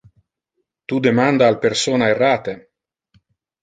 Tu demanda al persona errate.